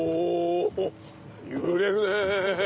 揺れるね！